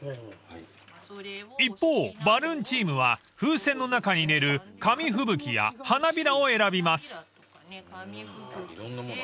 ［一方バルーンチームは風船の中に入れる紙吹雪や花びらを選びます］